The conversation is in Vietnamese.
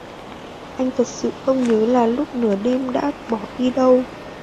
Anh thật sự không nhớ là lúc nửa đêm đã bỏ đi đâu